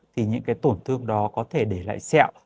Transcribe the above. thì những cái tổn thương đó có thể để lại sẹo